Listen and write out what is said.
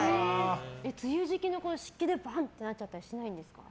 梅雨時期の湿気でバンってなったりしないんですか。